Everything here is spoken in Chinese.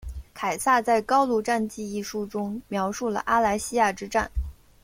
凯撒在高卢战记一书中描述了阿莱西亚之战。